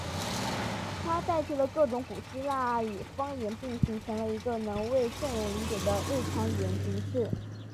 它替代了各种古希腊语方言并形成了一个能为众人理解的日常语言形式。